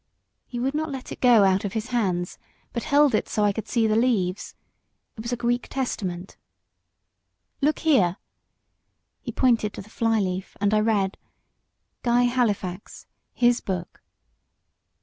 He would not let it go out of his hands, but held it so that I could see the leaves. It was a Greek Testament. "Look here." He pointed to the fly leaf, and I read: "Guy Halifax, his Book.